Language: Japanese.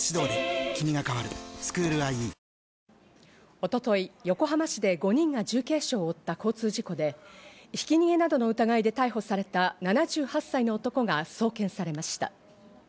一昨日、横浜市で５人が重軽傷を負った交通事故で、ひき逃げなどの疑いで逮捕された７８歳の男が送検されました。